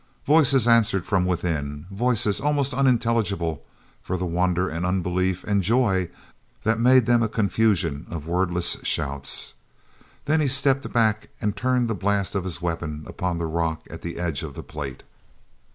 Voices answered from within—voices almost unintelligible for the wonder and unbelief and joy that made them a confusion of wordless shouts. Then he stepped back and turned the blast of his weapon upon the rock at the edge of the plate.